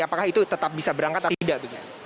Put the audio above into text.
apakah itu tetap bisa berangkat atau tidak